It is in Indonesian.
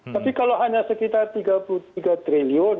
tapi kalau hanya sekitar tiga puluh tiga triliun